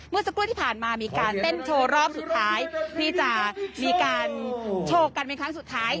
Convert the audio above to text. สักครู่ที่ผ่านมามีการเต้นโชว์รอบสุดท้ายที่จะมีการโชว์กันเป็นครั้งสุดท้าย